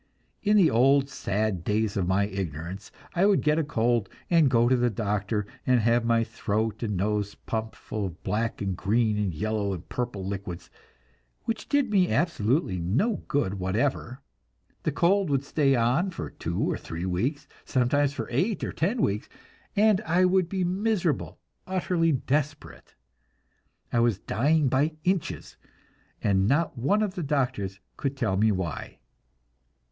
In the old sad days of my ignorance I would get a cold, and go to the doctor, and have my throat and nose pumped full of black and green and yellow and purple liquids, which did me absolutely no good whatever; the cold would stay on for two or three weeks, sometimes for eight or ten weeks, and I would be miserable, utterly desperate. I was dying by inches, and not one of the doctors could tell me why.